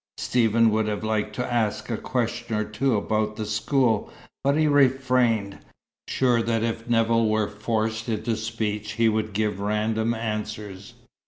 Stephen would have liked to ask a question or two about the school, but he refrained, sure that if Nevill were forced into speech he would give random answers.